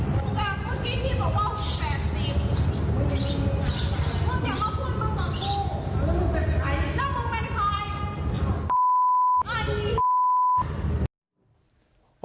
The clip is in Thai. แล้วมึงเป็นใคร